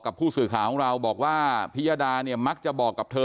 ผู้สื่อข่าวของเราบอกว่าพิยดาเนี่ยมักจะบอกกับเธอ